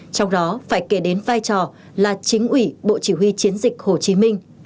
trong đó phải kể đến vai trò là chính ủy bộ chỉ huy chiến dịch hồ chí minh